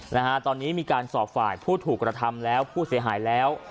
นะฮะตอนนี้มีการสอบฝ่ายผู้ถูกกระทำแล้วผู้เสียหายแล้ว